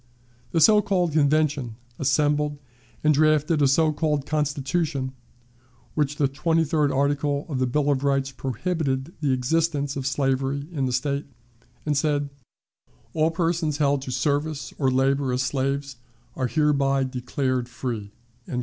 The so called Convention assembled and drafted a so called Constitution, in which the twenty third article of the Bill of Rights prohibited the existence of slavery in the State, and said, "All persons held to service or labor as slaves are hereby declared free."